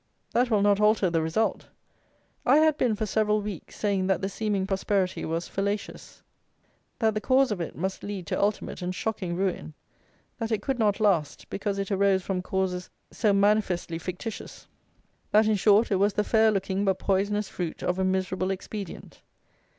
That will not alter the result. I had been, for several weeks, saying that the seeming prosperity was fallacious; that the cause of it must lead to ultimate and shocking ruin; that it could not last, because it arose from causes so manifestly fictitious; that, in short, it was the fair looking, but poisonous, fruit of a miserable expedient.